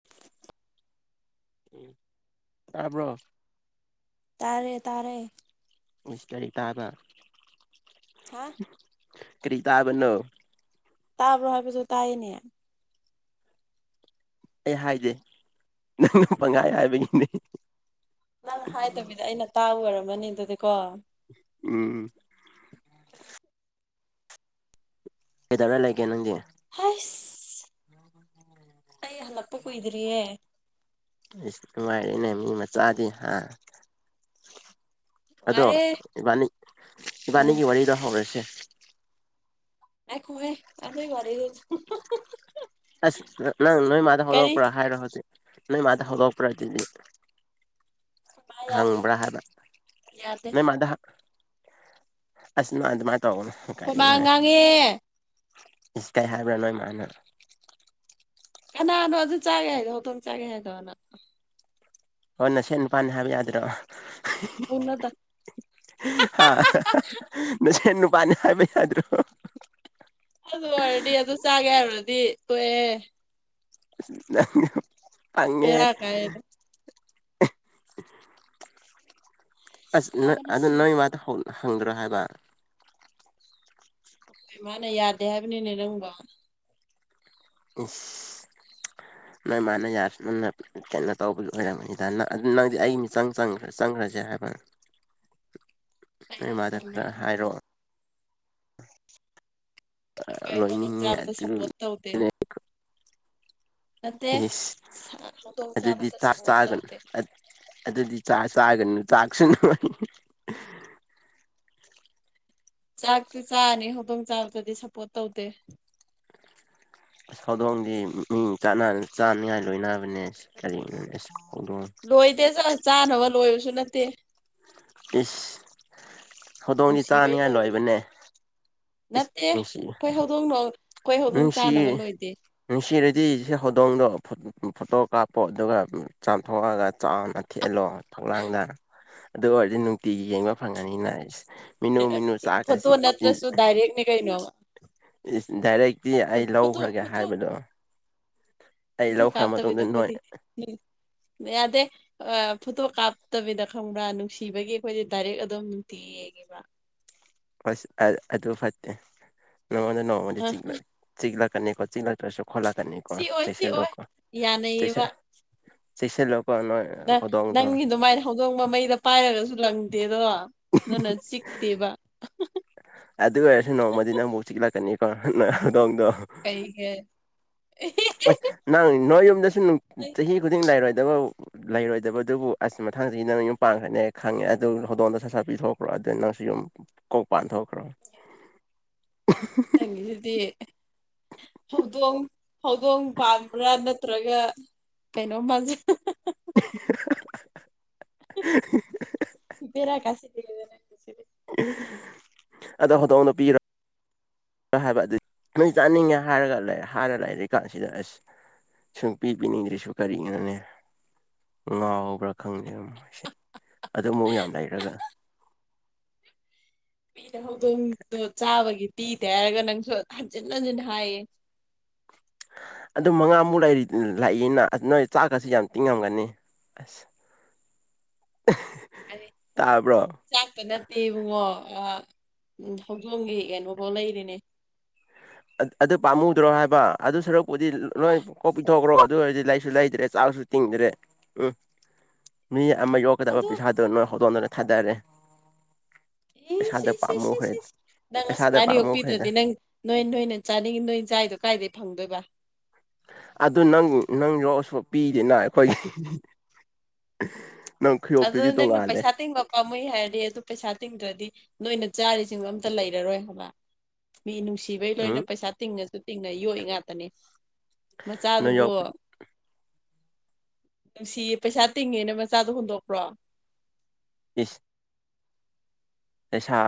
[unintelligible] ꯎꯝ ꯇꯥꯕ꯭ꯔꯣ ꯇꯥꯔꯦ ꯇꯥꯔꯦ ꯏꯁ ꯀꯔꯤ ꯇꯥꯕ [unintelligible] ꯀ꯭ꯔꯤ ꯇꯥꯕꯅꯣ ꯇꯥꯕ꯭ꯔꯣ ꯍꯥꯏꯕꯁꯨ ꯇꯥꯏꯌꯦꯅꯦ ꯑꯩ ꯍꯥꯏꯗꯦ ꯅꯪꯅ ꯄꯪꯍꯥꯏ ꯍꯥꯏꯕꯒꯤꯅꯦ ꯅꯪ ꯍꯥꯏꯗꯕꯤꯗ ꯑꯩꯅ ꯇꯥꯕ ꯑꯣꯏꯔꯝꯃꯅꯤ ꯑꯗꯨꯗꯤꯀꯣ ꯎꯝ ꯀꯩꯗꯧꯔ ꯂꯩꯒꯦ ꯅꯪꯗꯤ ꯍꯩꯁ ꯑꯩ ꯍꯜꯂꯛꯄ ꯀꯨꯏꯗ꯭ꯔꯤꯌꯦ ꯑꯁ ꯅꯨꯡꯉꯥꯏꯔꯅꯦ ꯃꯤ ꯃꯆꯥꯗꯤ ꯍꯥ ꯑꯗꯣ ꯅꯨꯡꯉꯥꯏꯔꯦ ꯏꯕꯥꯅꯤ ꯑ ꯏꯕꯥꯅꯤꯒꯤ ꯋꯥꯔꯤꯗꯣ ꯍꯧꯔꯁꯦ ꯉꯥꯏꯈꯣꯥꯍꯦ ꯑꯗꯨꯏ ꯋꯥꯔꯤꯗꯣ [unintelligible] ꯑꯁ ꯅꯪ ꯅꯣꯏ ꯃꯥꯗ ꯍꯧꯗꯣꯛꯛꯄ꯭ꯔꯥ ꯍꯥꯏꯔꯣ ꯍꯧꯖꯤꯛ ꯅꯣꯏ ꯃꯥꯗ ꯍꯧꯗꯣꯛꯄ꯭ꯔꯥ ꯑꯗꯨꯗꯤ ꯈꯣꯏꯃꯥ ꯌꯥꯗꯦ ꯍꯪꯕ꯭ꯔꯥ ꯍꯥꯏꯕ꯭ꯔ ꯌꯥꯗꯦ ꯅꯣꯏ ꯃꯥꯗ ꯑꯁ ꯃꯥ ꯃꯥ ꯇꯥꯒ ꯀꯣꯏꯃꯥꯡ ꯉꯥꯡꯉꯦ ꯏꯁ ꯀꯩ ꯍꯥꯏꯕ꯭ꯔꯥ ꯅꯣꯏ ꯏꯃꯅ ꯀꯅꯥꯅꯣ ꯑꯗꯨ ꯆꯥꯒꯦ ꯍꯥꯏꯗꯣ ꯍꯧꯇꯣꯝ ꯆꯥꯒꯦ ꯍꯥꯏꯗꯅ ꯍꯣꯏ ꯅ ꯁꯦꯠ ꯅꯤꯄꯥꯜꯅꯤ ꯍꯥꯏꯕ ꯌꯥꯗ꯭ꯔꯣ ꯍꯧꯅꯗ ꯍꯥꯥ ꯅꯅꯨꯡ ꯄꯅꯤ ꯍꯥꯏꯕ ꯌꯥꯗ꯭ꯔꯣ ꯑꯗꯨ ꯑꯣꯏꯔꯗꯤ ꯑꯗꯨ ꯆꯥꯒꯦ ꯍꯥꯏꯔꯨꯔꯗꯤ ꯇꯣꯛꯑꯦ [unintelligible] ꯕꯦꯔꯥ ꯀꯥꯏꯌꯦꯗ ꯑꯁ ꯅ ꯁꯥꯕꯅ ꯑꯗꯨ ꯁꯤ ꯅꯣꯏ ꯃꯥꯗ ꯍꯪꯗ꯭ꯔꯣ ꯍꯥꯏꯕ ꯑꯩꯈꯣꯏ ꯏꯃꯥꯅ ꯌꯥꯗꯦ ꯍꯥꯏꯕꯅꯤꯅꯦ ꯅꯪꯕꯣ ꯏꯁ ꯅꯣꯏ ꯃꯥꯅ ꯌꯥꯔꯁꯨ ꯅꯪꯅ ꯀꯩꯅꯣ ꯇꯧꯕꯁꯨ ꯑꯣꯏꯔꯝꯒꯅꯤꯗ ꯅꯪꯗꯤ ꯑꯩ ꯃꯤꯆꯪꯪ ꯆꯪ ꯆꯪꯈ꯭ꯔꯁꯦ ꯍꯥꯏꯕ ꯅꯣꯏ ꯑꯩꯅ ꯃꯥꯗ ꯇꯜꯂꯦ ꯈꯔ ꯍꯥꯏꯕꯗꯨꯗ ꯍꯥꯏꯔꯣ ꯑꯩꯈꯣꯏ [unintelligible] ꯂꯣꯏꯅꯤꯡꯉꯦ ꯆꯥꯥꯕꯗ ꯑꯗꯨ ꯁꯞꯄꯣꯔꯠ ꯇꯧꯗꯦ ꯅꯠꯇꯦ ꯏꯁ [unintelligible] ꯍꯧꯗꯣꯡ ꯑꯗꯨꯗꯤ ꯆꯥꯕꯗ ꯆꯥꯛ ꯁꯞꯄꯣꯔꯠ ꯆꯥꯒꯅꯨ ꯇꯧꯗꯦ ꯑꯗꯨꯗꯤ ꯆꯥ ꯆꯥꯒꯅꯨ ꯆꯥꯛꯁꯨ ꯅꯨꯡꯉ ꯆꯥꯛꯇꯤ ꯆꯥꯅꯤ ꯈꯨꯗꯣꯡ ꯆꯥꯕꯗꯗꯤ ꯁꯞꯄꯣꯔꯠ ꯇꯧꯗꯦ ꯁꯧꯗꯣꯡꯗꯤ ꯃꯤ ꯆꯥꯅꯤꯉꯥꯏ ꯂꯣꯏꯅꯕꯅꯦ ꯀꯔꯤꯅꯣ ꯏꯁ ꯍꯧꯗꯣꯡ ꯂꯣꯏꯗꯦ ꯆꯥꯅꯕ ꯂꯣꯏꯕꯁꯨ ꯅꯠꯇꯦ ꯏꯁ ꯍꯧꯗꯣꯡꯗꯤ ꯅꯨꯡꯁꯤꯕꯩ ꯆꯥꯅꯤꯉꯥꯏ ꯂꯣꯏꯕꯅꯤ ꯂꯣꯏꯕꯅꯦ ꯏꯁ ꯅꯠꯇꯦ ꯅꯨꯡꯁꯤ ꯑꯩꯈꯣꯏ ꯍꯧꯗꯣꯡꯗ ꯅꯨꯡꯁꯤ ꯅꯨꯡꯁꯤꯔꯗꯤ ꯁ ꯍꯧꯗꯣꯡꯗꯣ ꯐꯣꯇꯣ ꯀꯥꯞꯄꯣ ꯑꯗꯨꯒ ꯆꯥꯝꯊꯣꯛꯑꯒ ꯆꯥꯎꯅ ꯊꯦꯠꯂꯣ ꯊꯧꯂꯥꯡꯗ ꯑꯗꯨ ꯑꯣꯏꯔꯗꯤ ꯅꯨꯡꯇꯤꯒꯤ ꯌꯦꯡꯕ ꯐꯪꯉꯅꯤꯅ ꯃꯤꯅꯨ ꯃꯤꯅꯨ ꯆꯥꯒ ꯐꯣꯇꯣ ꯅꯠꯇ꯭ꯔꯁꯨ ꯗꯥꯏꯔꯦꯛꯅꯦ ꯀꯩꯅꯣ ꯗꯥꯏꯔꯦꯛ ꯏ ꯑꯩ ꯐꯣꯇꯣ ꯂꯧꯈ꯭ꯔꯒꯦ ꯐꯣꯇꯣ ꯍꯥꯏꯕꯗꯣ ꯑꯩ ꯂꯧꯈ꯭ꯔ ꯃꯇꯨꯡꯗ ꯅꯣꯏ ꯎꯝ ꯌꯥꯗꯦ ꯐꯣꯇꯣ ꯀꯥꯞꯇꯕꯤꯗ ꯈꯪꯕ꯭ꯔꯥ ꯅꯨꯡꯁꯤꯕꯒꯤ ꯑꯩꯈꯣꯏꯗꯤ ꯗꯥꯏꯔꯦꯛ ꯑꯗꯨꯝ ꯅꯨꯡꯇꯤ ꯌꯦꯡꯕ꯭ꯔꯥ ꯍꯁ ꯑꯗꯨ ꯐꯠꯇꯦ ꯅꯪꯉꯣꯟꯗ ꯅꯣꯡꯃꯗꯤ ꯑ ꯆꯤꯛꯂꯛꯀꯅꯤꯀꯣ ꯆꯤꯛꯂꯛꯇ꯭ꯔꯁꯨ ꯈꯣꯂ ꯀ ꯀꯣ ꯁꯤ ꯑꯣꯏ ꯁꯤ ꯩꯁ ꯑꯣꯏ ꯌꯥꯅꯩꯌꯦꯕ ꯂꯁ ꯁ ꯂ ꯅ ꯅꯪ ꯑꯗꯨ ꯃꯥꯏ ꯍꯧꯗꯣꯡꯕ ꯃꯩꯗ ꯄꯥꯏꯔꯒꯁꯨ ꯂꯪꯗꯦꯗꯣ ꯅꯪꯅ ꯆꯤꯛꯇꯦꯕ ꯑꯗꯨ ꯑꯣꯏꯔꯁꯨ ꯅꯣꯡꯃꯗꯤ ꯅꯪꯕꯨꯥꯎ ꯆꯤꯛꯂꯛꯀꯅꯤꯀꯣ ꯅꯗꯣꯡꯗꯣ ꯀꯩꯒ ꯑꯁ ꯅꯪ ꯅꯣꯏ ꯌꯨꯝꯗꯁꯨ ꯆꯍꯤ ꯈꯨꯗꯤꯡ ꯂꯩꯔꯣꯏꯗꯕ ꯂꯩꯔꯣꯏꯗꯕ ꯑꯗꯨꯕꯨ ꯑꯁ ꯃꯊꯥꯡꯁꯤ ꯅꯪ ꯌꯨꯝ ꯄꯥꯡꯈ꯭ꯔꯅꯦ ꯈꯪꯉꯦ ꯑꯗꯨ ꯍꯧꯗꯣꯟꯗ ꯁꯁꯥ ꯄꯤꯊꯣꯛꯈ꯭ꯔꯣ ꯑꯗꯨ ꯅꯪꯁꯨ ꯌꯨꯝ ꯀꯣꯛ ꯄꯥꯟ ꯊꯣꯛꯣꯛꯈ꯭ꯔꯣ ꯑꯗꯨꯗꯤ ꯍꯧꯗꯣꯡ ꯍꯧꯗꯣꯡ ꯄꯥꯟꯕ꯭ꯔꯥ ꯅꯠꯇ꯭ꯔꯒ ꯀꯩꯅꯣ ꯃꯥꯁꯦ [inaudible] ꯕꯔ ꯀꯁꯤꯗ ꯅꯁꯤꯗꯤ ꯑꯗ ꯍꯧꯗꯣꯡꯅ ꯄꯤꯔ ꯍꯥꯏꯕ ꯑꯗꯨ ꯅꯣꯏ ꯆꯥꯅꯤꯡꯉꯦ ꯍꯥꯏꯔꯒ ꯂꯩ ꯍꯥꯏꯔ ꯂꯩꯔꯤ ꯀꯥꯟꯁꯤꯗ ꯑꯁ ꯁꯨꯡ ꯄꯤ ꯄꯤꯅꯤꯡꯗ꯭ꯔꯁꯨ ꯀꯔꯤꯒꯤꯅꯣꯅꯦ ꯉꯥꯎꯕ꯭ꯔꯥ ꯈꯪꯗꯦ ꯑꯗꯨ ꯑꯃꯨꯛ ꯌꯥꯝ ꯂꯩꯔꯒ [unintelligible] ꯄꯗ ꯍꯧꯗꯣꯡꯗꯣ ꯆꯥꯕꯒꯤ ꯄꯤꯗꯦ ꯍꯥꯏꯔꯒ ꯅꯪꯁꯨ ꯍꯟꯖꯤꯟ ꯍꯟꯖꯤꯟ ꯍꯥꯏꯌꯦ ꯑꯗꯨ ꯃꯉꯥꯃꯨꯛ ꯂꯥꯛꯏꯅ ꯅꯣꯏ ꯆꯥꯛꯀꯁꯨ ꯌꯥꯝ ꯇꯤꯡꯉꯝꯒꯅꯤ ꯑꯁ [unintelligible] [unintelligible] ꯑꯗꯤ ꯇꯥꯕ꯭ꯔꯣ ꯆꯥꯛꯇ ꯅꯠꯇꯦ ꯏꯕꯨꯡꯉꯣ ꯍꯧꯗꯣꯡꯒꯤ ꯀꯩꯅꯣꯕꯨꯛ ꯂꯩꯔꯤꯅꯤ ꯑꯗꯨ ꯄꯥꯝꯃꯨꯗ꯭ꯔꯣ ꯍꯥꯏꯕ ꯑꯗꯨ ꯁꯔꯨꯛꯄꯨꯗꯤ ꯂꯣꯏ ꯀꯣꯛ ꯄꯤꯊꯣꯛꯈ꯭ꯔꯣ ꯑꯗꯨ ꯑꯣꯏꯔꯗꯤ ꯂꯩꯁꯨ ꯂꯩꯗꯔꯦ ꯆꯥꯛꯁꯨ ꯇꯤꯡꯗ꯭ꯔꯦ ꯎꯝ ꯃꯤ ꯑꯃ ꯌꯣꯛꯀꯗꯕ ꯑꯗꯣ ꯄꯩꯁꯥ ꯑꯗꯨ ꯅꫭꯏ ꯈꯪꯗꫭꯡꯗꯨꯅ ꯈꯠꯅꯔꯦ ꯏ ꯁꯤ ꯁꯤ ꯁꯤ ꯄꯥꯝꯃꯨꯈ꯭ꯔꯦ ꯁꯤ ꯅꯪ ꯄꯩꯁꯥꯗ ꯑꯁꯨꯃꯥꯏꯅ ꯄꯥꯝꯃꯨꯈ꯭ꯔꯦꯗ ꯌꫭꯛꯄꯤꯗ꯭ꯔꯗꯤ ꯅꯪ ꯅꯣꯏ ꯅꯣꯏꯅ ꯆꯥꯅꯤꯡꯉꯤ ꯅꯣꯏ ꯆꯥꯏꯗꯣ ꯀꯥꯏꯗꯩ ꯐꯪꯗꯣꯏꯕ ꯑꯗꯨ ꯅꯪ ꯅꯪ ꯌꯣꯛꯑꯁꯨ ꯄꯤꯗꯅ ꯑꯩꯈꯣꯏꯒꯤ ꯅꯪ ꯑꯗꯨ ꯈꯨꯌꯣꯛꯇꯨꯗꯤ ꯅꯪꯅ ꯇꯣꯡꯉꯥꯜꯂꯦ ꯄꯩꯁꯥ ꯇꯤꯡꯕ ꯑꯣ ꯃꯣꯏ ꯍꯥꯏꯔꯗꯤ ꯑꯗꯨ ꯄꯩꯁꯥ ꯇꯤꯡꯗ꯭ꯔꯗꯤ ꯅꯣꯏꯅ ꯆꯥꯔꯤꯁꯤꯡꯕ ꯑꯝꯇ ꯂꯩꯔꯔꯣꯏ ꯍꯥꯏꯕ ꯃꯤ ꯅꯨꯡꯁꯤꯕꯩ ꯂꯣꯏꯅ ꯎꯝ ꯄꯩꯁꯥ ꯇꯤꯡꯉꯁꯨ ꯇꯤꯡꯅ ꯌꯣꯛ ꯉꯥꯛꯇꯅꯤ ꯅꯪ ꯃꯆꯥꯗꯨꯒꯣ ꯌꯣꯛ ꯅꯨꯡꯁꯤꯌꯦ ꯄꯩꯁꯥ ꯇꯤꯡꯉꯦꯅ ꯃꯆꯥꯗꯣ ꯍꯨꯟꯗꯣꯛꯄ꯭ꯔꯣ ꯏꯁꯤꯁ ꯄꯩꯁꯥ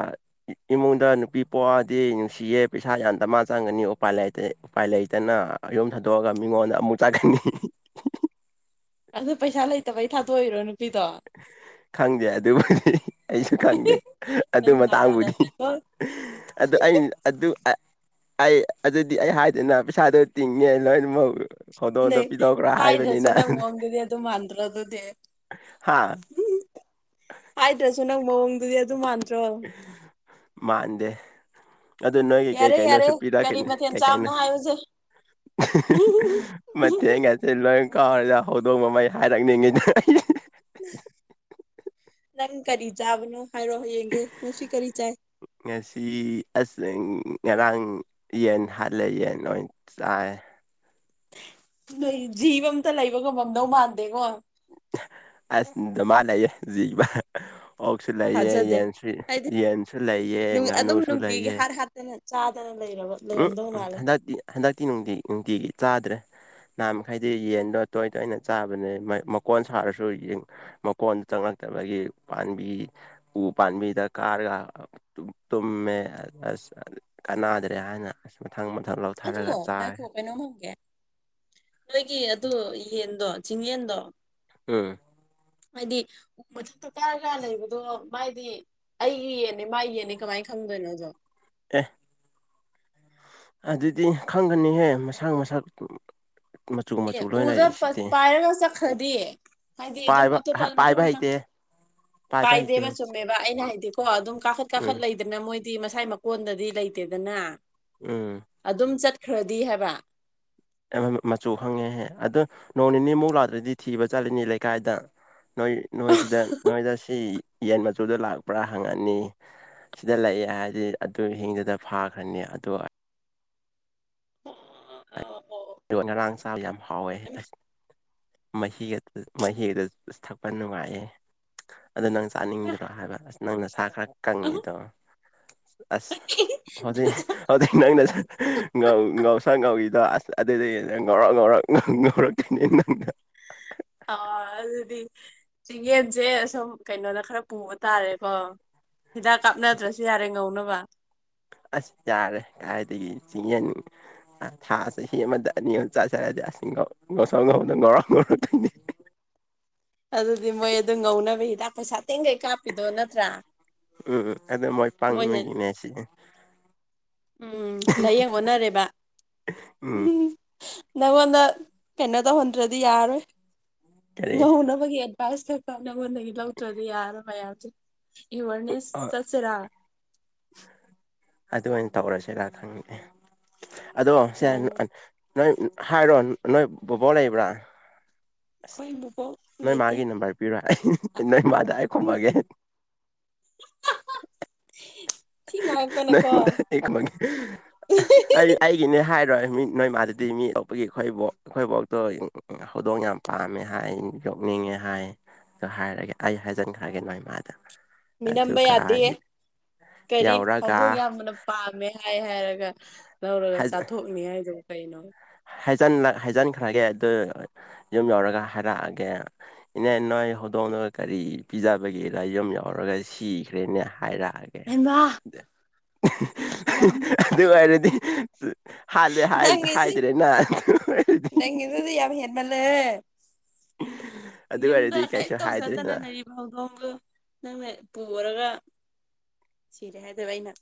ꯏꯃꯨꯡꯗ ꯅꯨꯄꯤ ꯄꫭꯛꯑꯗꯤ ꯅꯨꯡꯁꯤꯌꯦ ꯄꯩꯁꯥ ꯌꯥꯝ ꯗꯃ ꯆꯪꯒꯅꯤ ꯎꯄꯥꯏ ꯂꯩꯇꯦ ꯎꯄꯥꯏ ꯂꯩꯇꯅ ꯌꯨꯝ ꯊꯥꯗꯣꯛꯑꯒ ꯃꯤꯉꯣꯟꯗ ꯑꯃꯨꯛ ꯆꯠꯈꯤꯅꯤ ꯑꯗꯨ ꯄꯩꯁꯥ ꯂꯩꯇꯕꯩ ꯊꯥꯗꯣꯛꯏꯔꯣ ꯅꯨꯄꯤꯗꯣ ꯈꯪꯗꯦ ꯑꯗꯨꯕꯨꯗꯤ ꯑꯩꯁꯨ ꯈꯪꯗꯦ ꯑꯗꯨ ꯅꯪ ꯖꯥꯠ ꯖꯥꯠ ꯃꯇꯥꯡꯕꯨꯗꯤ ꯍꯥꯏꯔꯛꯀꯅꯤ ꯑꯗꯨ ꯑꯩ ꯑꯗꯨ ꯑꯩ ꯑꯗꯨꯗꯤ ꯑꯩ ꯍꯥꯏꯗꯦꯅ ꯄꯩꯁꯥꯗꯣ ꯇꯤꯡꯉꯦ ꯂꯣꯏꯅꯃꯛ ꯈꯧꯗꯣꯡꯗꯣ ꯅꯪ ꯄꯤꯊꫭꯛꯈꯔꫭ ꯍꯥꯏꯗ꯭ꯔꯁꯨ ꯍꯥꯏꯕꯅꯤꯅ ꯅꯪ ꯃꯑꯣꯡꯗꯨꯗꯤ ꯑꯗꯨ ꯃꯥꯟꯗ꯭ꯔ ꯑꯗꯨꯗꯤ ꯍꯥꯥ ꯍꯥꯏꯗ꯭ꯔꯁꯨ ꯅꯪ ꯃꯑꯣꯡꯗꯨꯗꯤ ꯑꯗꯨꯝ ꯃꯥꯟꯗ꯭ꯔꯣ ꯃꯥꯟꯗꯦ ꯑꯗꯨ ꯅꯣꯏꯒꯤ ꯀꯩ ꯌꯥꯔꯦ ꯌꯥꯔꯦ ꯀꯩꯅꯣꯁꯨ ꯀꯔꯤ ꯄꯤꯔꯛꯀꯅꯤ ꯃꯊꯦꯜ ꯀꯩ ꯀꯩꯅꯣ ꯆꯥꯕꯅꯣ ꯍꯥꯏꯌꯨꯁꯦ ꯃꯇꯦꯡ ꯒꯁꯦ ꯂꯣꯏ ꯀꯥꯎꯔꯦꯗ ꯍꯧꯗꯣꯡ ꯃꯃꯩ ꯍꯥꯏꯔꯛꯅꯤꯡꯉꯤꯗ ꯑꯩ ꯅꯪ ꯀꯔꯤ ꯆꯥꯕꯅꯣ ꯍꯥꯏꯔꯣ ꯌꯦꯡꯒꯦ ꯉꯁꯤ ꯀꯔꯤ ꯆꯥꯏ ꯉꯁꯤ ꯑꯁ ꯉꯔꯥꯡ ꯌꯦꯟ ꯍꯥꯠꯂꯦ ꯌꯦꯟ ꯑꫭꯏ ꯆꯥꯏ ꯅꯣꯏꯒꯤ ꯖꯤꯕ ꯑꯝꯇ ꯂꯩꯕꯉꯝ ꯃꯝꯗꯧ ꯃꯥꯟꯗꯦꯉꫭ ꯑꯁ ꯗꯃꯥ ꯂꯩꯌꯦ ꯖꯤꯕ ꯑꯣꯛꯁꯨ ꯂꯩꯌꯦ ꯊꯥꯖꯗꯦ ꯌꯦꯟꯁꯨ ꯍꯥꯏꯗꯤ ꯌꯦꯟꯁꯨ ꯂꯩꯌꯦ ꯑꯗꯨꯝ ꯉꯥꯅꯨꯁꯨ ꯅꯨꯡꯇꯤꯒꯤ ꯂꯩꯌꯦ ꯍꯥꯠ ꯍꯥꯠꯇꯅ ꯆꯥꯗꯅ ꯂꯩꯔꯕ ꯂꯩꯔꯝꯗꯧ ꯃꯥꯜꯂꯦ ꯍꯟꯗꯛꯇꯤꯅꯨꯡꯇꯤ ꯅꯨꯡꯇꯤꯒꯤ ꯆꯥꯗ꯭ꯔꯦ ꯅꯍꯥꯟ ꯃꯈꯩꯗꯤ ꯌꯦꯟꯗꯣ ꯇꯣꯏ ꯇꯣꯏꯅ ꯆꯥꯕꯅꯦ ꯃꯥꯏ ꯃꯀꯣꯟ ꯁꯥꯔꯁꯨ ꯌꯦꯟ ꯃꯀꯣꯟ ꯆꯪꯂꯛꯇꯕꯒꯤ ꯄꯥꯟꯕꯤ ꯎ ꯄꯥꯝꯕꯤꯗ ꯀꯥꯔꯒ ꯇꯨꯝꯃꯦ ꯑꯁ ꯀꯅꯗ꯭ꯔꯦ ꯍꯥꯏꯅ ꯑꯁ ꯃꯊꯪ ꯃꯊꯪ ꯂꯧꯊꯣꯛ ꯑꯗꯣ ꯉꯥꯏꯈꯣ ꯀꯩꯅꯣꯝ ꯍꯪꯒꯦ ꯅꯣꯏꯒꯤ ꯑꯗꯨ ꯌꯦꯟꯗꯣ ꯆꯤꯡꯌꯦꯟꯗꯣ ꯎꯝ ꯍꯥꯏꯗꯤ ꯎ ꯃꯊꯛꯇ ꯀꯥꯔꯒ ꯂꯩꯕꯗꯣ ꯃꯥꯏꯗꯤ ꯑꯩꯒꯤ ꯌꯦꯟꯅꯤ ꯃꯥꯒꯤ ꯌꯦꯟꯅꯤ ꯀꯃꯥꯏ ꯈꯪꯗꯣꯏꯅꯣ ꯑꯗꫭ ꯑꯦ ꯑꯗꯨꯗꯤ ꯈꯪꯒꯅꯤꯍꯦ ꯃꯁꯥꯡ ꯃꯁꯛ ꯃꯆꯨ ꯑꯦ ꯃꯆꯨ ꯂꯣꯏ ꯎꯗ ꯄꯁ ꯂꯩꯔꯤꯁꯤꯗꯤ ꯄꯥꯏꯔꯒ ꯆꯠꯈꯔꯗꯤ ꯍꯥꯏꯗꯤ ꯑꯗꯨꯝ ꯄꯥꯏꯕ ꯑꯇꯣꯞꯄ ꯃꯊꯪ ꯄꯥꯏꯕ ꯃꯊꯪ ꯍꯩꯇꯦ ꯄꯥꯏꯕ ꯍꯩꯇꯦ ꯄꯥꯏꯗꯦꯕ ꯆꯨꯝꯃꯦꯕ ꯕ ꯑꯩꯅ ꯍꯥꯏꯗꯤꯀꯣ ꯑꯗꯨꯝ ꯀꯥꯈꯠ ꯀꯥꯈꯠ ꯎꯝ ꯂꯩꯗꯅ ꯃꯣꯏꯗꯤ ꯃꯁꯥꯏ ꯃꯀꯣꯟꯗꯗꯤ ꯂꯩꯇꯦꯗꯅ ꯎꯝ ꯑꯗꯨꯝ ꯆꯠꯈ꯭ꯔꯗꯤ ꯍꯥꯏꯕ ꯃꯆꯨ ꯈꯪꯉꯦꯍꯦ ꯑꯗꯨꯗꯣ ꯅꯣꯡ ꯅꯤꯅꯤꯃꯨꯛ ꯂꯥꯛꯗ꯭ꯔꯗꯤ ꯊꯤꯕ ꯆꯠꯂꯤꯅꯤ ꯂꯩꯀꯥꯏꯗ ꯅꯣꯏ ꯅꯣꯏꯁꯤꯗ ꯅꯣꯏꯗ ꯁꯤ ꯌꯦꯟ ꯃꯆꯨꯗ ꯂꯥꯛꯄ꯭ꯔꯥ ꯍꯪꯉꯅꯤ ꯁꯤꯗ ꯂꯩꯑꯦ ꯍꯥꯏꯗꯤ ꯑꯗꯨ ꯍꯤꯡꯗꯨꯗ ꯐꯥꯈ꯭ꯔꯅꯤ ꯑꯗꯨ ꯑꯣ ꯑꯗꯣ ꯉꯔꯥꯡ ꯆꯥꯕ ꯌꯥꯝ ꯍꯥꯎꯋꯦ ꯑꯁ ꯃꯍꯤ ꯃꯍꯤ ꯑꯗꯨ ꯊꯛꯄ ꯅꯨꯡꯉꯥꯏꯌꯦ ꯑꯗꯨ ꯅꯪ ꯆꯥꯅꯤꯡꯗꯔꯣ ꯍꯥꯏꯕ ꯑꯁ ꯅꯪ ꯅꯁꯥ ꯈꯔ ꯀꯪꯉꯤꯗꯣ ꯑꯁ ꯍꯧꯖꯤꯛ ꯍꯧꯖꯤꯛ ꯅꯪꯅ ꯉꯧ ꯉꯧꯁꫭꯛ ꯉꯧꯋꯤꯗꫭ ꯑꯁ ꯑꯗꯨꯗꯤ ꯅꯪ ꯉꯧꯔꫭꯛ ꯉꯧꯔꫭꯛ ꯉꯧ ꯉꯧꯔꫭꯛꯇꫭꯏꯅꯦ ꯅꯪꯅ ꯑꯥ ꯑꯗꯨꯗꯤ ꯆꯤꯡꯌꯦꯟꯖꯦ ꯑꯁꫭꯝ ꯀꯩꯅꯣꯗ ꯈꯔ ꯄꯨꯕ ꯇꯥꯔꯦꯀꯣ ꯍꯤꯗꯥꯛ ꯀꯥꯞꯅꯗ꯭ꯔꯁꯨ ꯌꯥꯔꯦ ꯉꯧꯅꯕ ꯑꯁ ꯌꯥꯥꯔꯦ ꯀꯥꯏꯗꯒꯤ ꯆꯤꯡ ꯌꯦꯟ ꯑ ꯊꯥ ꯆꯍꯤ ꯑꯃꯗ ꯑꯅꯤ ꯑꯍꯨꯝ ꯆꯥꯁꯜꯂꯗꯤ ꯑꯁ ꯉꯧ ꯉꯧꯁꫭꯛ ꯉꯧꯅ ꯉꯧꯔꫭꯛ ꯉꯧꯔꯛꯇꯣꯏꯅꯦ ꯑꯗꯨꯗꯤ ꯃꯣꯏ ꯑꯗꯨꯝ ꯉꯧꯅꯕ ꯍꯤꯗꯥꯛ ꯄꯩꯁꯥ ꯇꯦꯡꯒꯩ ꯀꯥꯞꯄꯤꯗꯣ ꯅꯠꯇ꯭ꯔꯥ ꯎꯝ ꯑꯗꯨ ꯃꯣꯏ ꯃꯣꯏꯍꯦꯟ ꯄꯪꯕꯒꯤꯅꯦ ꯁꯤ ꯎꯝ ꯂꯥꯏꯌꯦꯡ ꯑꯣꯟꯅꯔꯦꯕ ꯎꯝ ꯅꯪꯉꯣꯟꯗ ꯀꯩꯅꯣ ꯇꯧꯍꯟꯗ꯭ꯔꯗꯤ ꯌꯥꯔꯣꯏ ꯀꯔꯤ ꯉꯧꯍꯧꯅꯕꯒꯤ ꯄꯥꯏꯁ ꯊꯛꯄ ꯅꯪꯉꯣꯟꯗꯒꯤ ꯂꯧꯗ꯭ꯔꯗꯤ ꯌꯥꯔ ꯃꯌꯥꯝꯁꯦ ꯑꯦꯋꯥꯔꯅꯦꯁ ꯑꯣ ꯆꯠꯁꯤꯔꯥ ꯑꯗꯨꯃꯅ ꯇꯧꯔꯁꯤꯔ ꯈꯪꯉꯦ ꯑꯗꯣ ꯁꯦ ꯑꯩꯈꯣꯏ ꯅꯣꯏ ꯍꯥꯏꯔꯣ ꯅꯣꯏ ꯕꯣꯕꯣꯔ ꯂꯩꯕ꯭ꯔꯥ ꯑꯁ ꯕꯨꯕꯣꯛ ꯅꯣꯏ ꯂꯩꯇꯦ ꯃꯥꯒꯤ ꯅꯝꯕꯔ ꯄꯤꯔꯣ ꯑꯩ ꯅꯣꯏ ꯃꯥꯗ ꯈꯨꯝꯃꯒꯦ ꯍ ꯊ ꯅꯣꯏ ꯉꯉꯛꯇꯅꯦꯀꯣ ꯃꯥꯗ ꯑꯩ ꯒꯤꯅꯦ ꯍꯥꯏꯔꯣꯏ ꯃꯤꯠ ꯅꯣꯏꯃꯥꯗꯗꯤ ꯃꯤꯠ ꯌꯣꯛꯄꯒꯤ ꯑꯩꯈꯣꯏꯐꯧ ꯑꯩꯈꯣꯏꯐꯥꯎꯗꯣ ꯍꯧꯗꯣꯡ ꯌꯥꯝ ꯄꯥꯝꯃꯦ ꯍꯥꯏ ꯌꯣꯛꯅꯤꯡꯉꯦ ꯍꯥꯏ ꯑ ꯍꯥꯏꯔꯒꯦ ꯑꯩ ꯍꯥꯏꯖꯤꯟꯈ꯭ꯔꯒꯦ ꯅꯣꯏ ꯏꯃꯥꯗ ꯃꯤꯅꯝꯕ ꯌꯥꯗꯦ ꯀꯔꯤ ꯍꯧꯗꯣꯛ ꯌꯧꯔꯒ ꯌꯥ ꯑꯕꯅ ꯄꯥꯝꯃꯦ ꯍꯥꯏ ꯍꯥꯏꯔꯒ ꯂꯧꯔꯒ ꯆꯥꯊꯣꯛꯅꯤ ꯍꯥꯏꯗꯣ ꯀꯩꯅꯣ ꯍꯥꯏꯖꯤꯟꯈ꯭ꯔꯒꯦ ꯑꯗꯨ ꯌꯨꯝ ꯌꯧꯔꯒ ꯍꯥꯏꯔꯛꯑꯒꯦ ꯏꯅꯦ ꯅꯣꯏ ꯍꯧꯗꯣꯡꯅꯕꯒ ꯀꯔꯤ ꯄꯤꯖꯕꯒꯤ ꯂꯥꯏꯌ ꯌꯥꯎꯔꯒ ꯁꯤꯈ꯭ꯔꯦꯅꯦ ꯍꯥꯏꯔꯛꯑꯒꯦ ꯍꯕ ꯑꯗꯨ ꯑꯣꯏꯔꯗꯤꯂ ꯍꯥꯏꯗ꯭ꯔꯦꯅ ꯍ ꯅꯪꯗꯤ ꯌꯥꯕ ꯍꯔꯃꯦꯜꯂ ꯑꯗꯨ ꯌꯝꯗ ꯑꯣꯏꯔꯗꯤ ꯀꯥꯏ ꯀꯩꯁꯨ ꯍꯥꯏꯗ꯭ꯔꯦꯅ ꯇꯧꯁꯗꯅꯅ ꯂꯗꯣꯡꯗꯨ ꯅꯪꯅ ꯄꯨꯔꯒ ꯁꯤꯔꯦ ꯍꯥꯏꯗꯕ ꯑꯩꯅ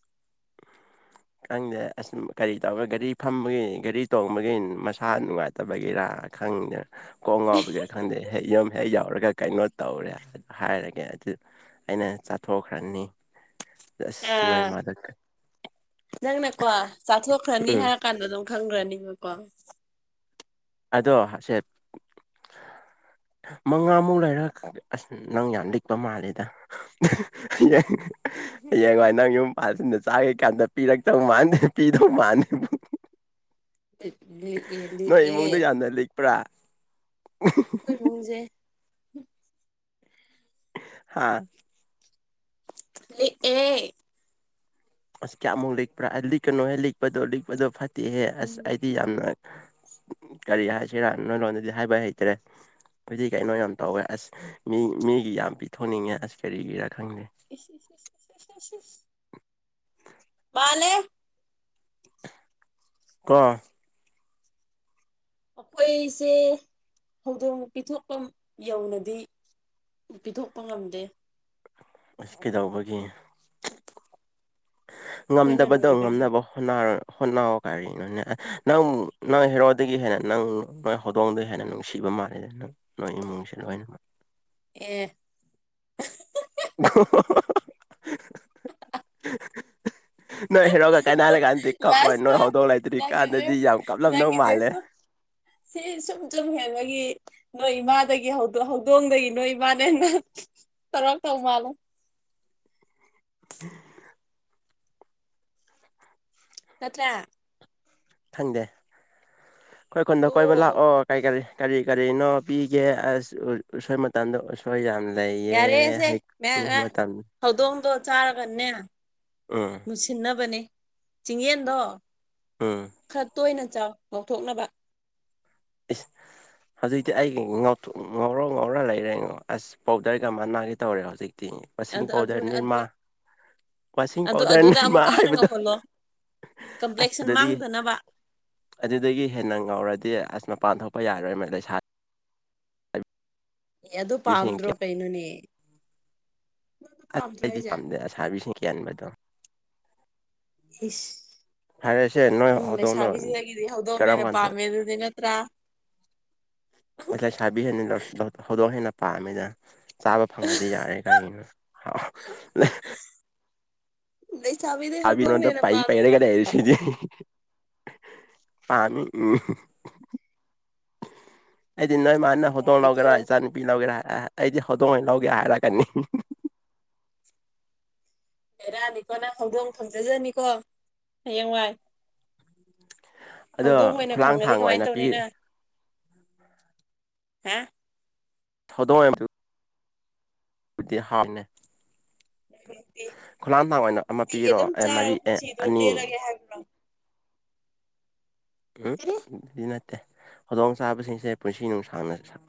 ꯈꯪꯗꯦ ꯑꯁ ꯀꯔꯤ ꯇꯧꯔꯒ ꯒꯥꯔꯤ ꯐꯝꯕꯒꯤ ꯒꯥꯔꯤ ꯇꯣꯡꯕꯒꯤ ꯃꯁꯥ ꯅꯨꯡꯉꯥꯏꯇ ꯐꯠꯇꯕꯒꯤꯔꯥ ꯈꯪꯗꯦ ꯀꯣꯡ ꯉꯥꯎꯕꯒꯤꯔꯥ ꯈꯪꯗꯦ ꯍꯦꯛ ꯌꯨꯝ ꯍꯦꯛ ꯌꯥꯎꯔꯒ ꯀꯩꯅꯣ ꯇꯧꯔꯦ ꯍꯥꯏꯔꯒꯦ ꯑꯗꯨ ꯑꯩꯅ ꯆꯠꯊꯣꯛꯈ꯭ꯔꯅꯤ ꯑꯥ ꯅꯪꯅꯀꯣ ꯎꯝ ꯆꯥꯊꯣꯛꯈ꯭ꯔꯅꯤꯍꯥꯛ ꯀꯥꯟꯗꯣ ꯑꯗꯨꯝ ꯈꯪꯈ꯭ꯔꯅꯤꯕꯀꯣ ꯑꯗꯣ ꯁꯦ ꯃꯉꯥꯃꯨꯛ ꯂꯩꯔ ꯑꯁ ꯅꯪ ꯌꯥꯝ ꯂꯤꯛꯄ ꯃꯥꯜꯂꯦꯗ ꯌꯥ ꯍꯌꯦꯡꯉ ꯅꯪ ꯌꯨꯝ ꯃꯄꯥꯜꯁꯤꯡꯗ ꯆꯥꯈꯀꯥꯟꯗ ꯄꯤꯔꯛꯇꯧ ꯃꯥꯟꯗꯦ ꯄꯤꯗꯧ ꯃꯥꯟꯦ [inaudible] ꯂꯤꯛꯑꯦ ꯅꯣꯏ ꯏꯃꯨꯡꯗ ꯑꯩꯈꯣꯏ ꯌꯥꯝꯅ ꯂꯤꯛꯄ꯭ꯔꯥ ꯑꯩꯈꯣꯏ ꯃꯨꯡꯖꯦ ꯍꯥ ꯂꯤꯛꯑꯦ ꯑꯁ ꯀꯌꯥꯃꯨꯛ ꯂꯤꯛꯄ꯭ꯔꯥ ꯂꯤꯛꯀꯅꯣꯍꯦ ꯂꯤꯛꯄꯗꯣ ꯂꯤꯛꯄꯗꯣ ꯐꯠꯇꯦꯍꯦ ꯎꯝ ꯑꯁ ꯂꯤꯛ ꯑꯩꯗꯤ ꯌꯥꯝ ꯅꯨꯡꯉꯥꯏ ꯀꯔꯤ ꯍꯥꯏꯁꯤꯔꯥ ꯅꯣꯏ ꯂꯣꯟꯗꯗꯤ ꯍꯥꯏꯕ ꯍꯩꯇ꯭ꯔꯦ ꯍꯥꯏꯗꯤ ꯀꯩꯅꯣ ꯌꯥꯝ ꯇꯧꯋꯦ ꯑꯁ ꯃꯤ ꯃꯤꯒꯤ ꯌꯥꯝ ꯄꯤꯊꯣꯛꯅꯤꯡꯉꯦ ꯑꯁ ꯀꯔꯤꯒꯤꯔꯥ ꯈꯪꯗꯦ ꯏꯁ ꯏꯁ ꯏꯁ ꯏꯁ ꯏꯁ ꯏꯁ ꯃꯥꯂꯦ ꯀ ꯑꯩꯈꯣꯏꯁꯦ ꯍꯧꯗꯣꯡ ꯄꯤꯊꯣꯛꯐꯝ ꯌꯧꯅꯗꯤ ꯄꯤꯊꯣꯛꯄ ꯉꯝꯗꯦ ꯀꯩꯗꯧꯕꯒꯤ ꯑꯩꯈꯣꯏꯅ ꯉꯝꯗꯕꯗꯣ ꯂꯣꯏꯕꯒꯤ ꯉꯝꯅꯕꯣ ꯍꯣꯠ ꯀꯔꯤꯅꯣꯅꯦ ꯅꯪ ꯅꯪ ꯍꯦꯔꯣꯗꯒꯤ ꯍꯦꯟꯅ ꯅꯪ ꯅꯣꯏ ꯍꯧꯗꯣꯡꯗ ꯍꯦꯟꯅ ꯅꯨꯡꯁꯤꯕ ꯃꯥꯜꯂꯦꯗ ꯅꯪ ꯅꯣꯏ ꯏꯃꯨꯡꯁꯦ ꯂꯣꯏꯅꯃꯛ ꯑꯦ [inaudible] ꯅꯣꯏ ꯍꯦꯔꯣꯛꯒ ꯀꯥꯏꯅꯔ ꯀꯥꯟꯗꯗꯤ ꯀꯞꯄꯣꯏ ꯅꯣꯏ ꯂꯥꯁꯇ ꯍꯧꯗꯣꯛ ꯂꯩꯇ꯭ꯔꯤ ꯅꯪꯒꯤꯁꯦ ꯀꯥꯟꯗꯗꯤ ꯌꯥꯝ ꯀꯞꯂꯝꯗꯧ ꯃꯥꯜꯂꯦ ꯅꯪꯒꯤꯁꯦꯁꯨ ꯁꯤ ꯁꯨꯝ ꯁꯨꯝ ꯍꯦꯟꯕꯒꯤ ꯅꯣꯏ ꯏꯃꯥꯗꯒꯤ ꯍꯧ ꯍꯧꯗꯣꯡꯗꯒꯤ ꯅꯣꯏ ꯏꯃꯥꯅ ꯍꯦꯟꯅ ꯇꯧꯔꯛꯇꯧ ꯃꯥꯜꯂꯦ ꯎ ꯅꯠꯇ꯭ꯔ ꯈꯪꯗꯦ ꯑꯩꯈꯣꯏ ꯈꯨꯟꯗ ꯀꯣꯏꯕ ꯇꯣꯛꯑꯣ ꯂꯥꯛꯑꯣ ꯀꯔꯤ ꯀꯔꯤ ꯀꯔꯤ ꯀꯔꯤꯅꯣ ꯄꯤꯒꯦ ꯎꯁꯣꯏ ꯇꯝꯗꯣ ꯑꯁꯣꯏ ꯌꯥꯝꯅ ꯂꯩꯌꯦ ꯌꯥꯔꯦꯁꯦ ꯍꯩꯀꯨ ꯃꯌꯥꯝ ꯃꯇꯝ ꯍꯧꯗꯣꯡꯗꯣ ꯆꯥꯔꯒꯅꯦ ꯎꯝ ꯃꯨꯁꯤꯟꯅꯕꯅꯦ ꯆꯤꯡꯌꯦꯟꯗꯣ ꯎꯝ ꯈꯔ ꯇꯣꯏꯅ ꯆꯥꯎ ꯉꯧꯊꯣꯛꯅꯕ ꯏꯁ ꯍꯧꯖꯤꯛꯇꯤ ꯑꯩ ꯉꯧꯊꯣꯛ ꯉꯧꯔ ꯉꯧꯔ ꯂꯩꯔꯦ ꯑꯁ ꯄꯥꯎꯗꯔꯒ ꯃꯅꯥꯒꯤ ꯇꯧꯔꯦ ꯍꯧꯖꯤꯛꯇꯤ ꯋꯁꯤꯡ ꯑꯗꯨ ꯑꯗꯨ ꯄꯥꯎꯗꯔ ꯑꯗꯨ ꯅꯤꯔꯃꯥ ꯋꯥꯁꯤꯡ ꯑꯗꯨ ꯄꯥꯎꯗꯔ ꯑꯗꯨꯗ ꯅꯤꯃꯥ ꯑꯃꯨꯛꯀ ꯍꯦꯟꯅ ꯍꯥꯏꯕꯗꯣ ꯉꯧꯍꯜꯂꯣ ꯑꯁ ꯀꯝꯄ꯭ꯂꯦꯛꯁꯟ ꯑꯗꯨꯗꯤ ꯃꯥꯡꯗꯅꯕ ꯑꯗꯨꯗꯒꯤ ꯍꯦꯟꯅ ꯉꯧꯔꯗꯤ ꯑꯁ ꯃꯄꯥꯟ ꯊꯣꯛꯄ ꯌꯥꯔꯣꯏ ꯃ ꯂꯩꯁꯥ ꯑꯦ ꯑꯗꯨ ꯄꯥꯝꯗ꯭ꯔꯣ ꯀꯩꯅꯣꯅꯦ ꯑꯗꯨ ꯇꯠ ꯄꯥꯝꯗ꯭ꯔꯣ ꯑꯩꯗꯤ ꯍꯥꯏꯁꯦ ꯄꯥꯝꯗꯦ ꯑꯁꯥꯥꯔꯕꯤꯁꯤꯡ ꯀꯦꯟꯕꯗꯣ ꯏꯁ ꯐꯔꯦꯁꯦ ꯅꯣꯏ ꯅꯪ ꯍꯧꯗꯣꯡꯗꯣ ꯂꯩꯁꯥꯕꯤꯖꯤꯗꯒꯤꯗꯤ ꯍꯧꯗꯣꯡꯅ ꯀꯔꯝ ꯍꯦꯟꯅ ꯀꯥꯟꯗ ꯄꯥꯝꯃꯦ ꯑꯗꯨꯗꯤ ꯅꯠꯇ꯭ꯔꯥ ꯑꯣꯥꯏ ꯂꯩꯁꯥꯕꯤ ꯍꯧꯗꯣꯡ ꯍꯦꯟꯅ ꯄꯥꯝꯃꯦꯗ ꯆꯥꯕ ꯐꯪꯉꯗꯤ ꯌꯥꯔꯦ ꯀꯔꯤꯅꯣ ꯂꯩꯁꯥꯕꯤꯗ ꯑꯕꯤ ꯄꯩ ꯄꯩꯔꯒ ꯂꯩꯔꯤꯁꯤꯗꯤ ꯑꯅꯤ ꯎꯝ ꯑꯩꯗꯤ ꯅꯣꯏ ꯃꯥꯅ ꯍꯧꯗꯣꯡ ꯕꯦꯔꯥꯅꯤꯀꯣ ꯂꯧꯒꯦꯔꯥ ꯏꯆꯥꯅꯨꯄꯤ ꯂꯧꯒꯦꯔꯥ ꯑꯩꯗꯤ ꯍꯧꯗꯣꯡꯩ ꯂꯧꯒꯦ ꯍꯥꯏꯔꯛꯀꯅꯤ ꯕꯦꯔꯥꯅꯤꯀꯣ ꯅꯪ ꯍꯧꯗꯣꯡ ꯐꯪꯖꯖꯅꯤꯀꯣ ꯍꯌꯦꯡꯋꯥꯏ [inaudible] ꯍꯧꯗꯣꯡ ꯑꯣꯏꯅ ꯈꯨꯂꯥꯡ ꯐꯪꯒꯗꯤ ꯊꯥꯡ ꯀꯃꯥꯏ ꯑꯣꯏꯅ ꯇꯧꯅꯤ ꯄꯤ ꯅꯪ ꯍꯥ ꯊꯣꯗꯣꯝ ꯑꯣꯏ ꯗꯤ ꯍꯥꯞꯅꯦ ꯅꯨꯡꯇꯤ ꯈꯨꯂꯥꯟ ꯊꯥ ꯑꯣꯏꯅ ꯑꯃ ꯅꯨꯡꯇꯤꯒꯤ ꯄꯤꯔꯣ ꯑꯗꯨꯝ ꯑꯦ ꯃꯔꯤ ꯆꯥꯔꯒ ꯑꯦ ꯄꯨꯟꯁꯤꯗꯣ ꯑꯅꯤ ꯂꯦꯜꯂꯒꯦ ꯍꯥꯏꯕ꯭ꯔꯣ ꯎꯝ ꯀꯔꯤ ꯑꯗꯨꯗꯤ ꯅꯠꯇꯦ ꯈꯨꯗꯣꯡ ꯆꯥꯕꯁꯤꯡꯁꯦ ꯄꯨꯟꯁꯤ ꯅꯨꯡꯁꯥꯡꯅ